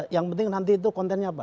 yang penting nanti itu kontennya apa